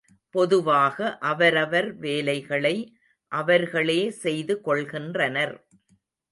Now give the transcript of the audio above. பொதுவாக அவரவர் வேலைகளை அவர்களே செய்துகொள்கின்றனர்.